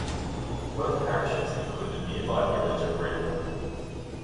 Both parishes include the nearby village of Redhill.